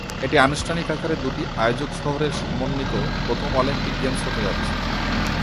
এটি আনুষ্ঠানিক আকারে দুটি আয়োজক শহরের সমন্বিত প্রথম অলিম্পিক গেমস হতে যাচ্ছে।